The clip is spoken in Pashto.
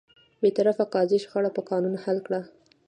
بېطرفه قاضي شخړه په قانون حل کوي.